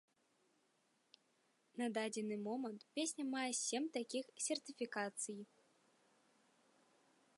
На дадзены момант песня мае сем такіх сертыфікацый.